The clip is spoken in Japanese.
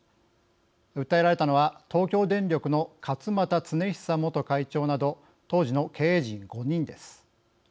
訴えられたのは東京電力の勝俣恒久元会長など当時の経営陣５人です。